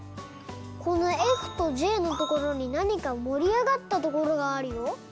このｆとｊのところになにかもりあがったところがあるよ。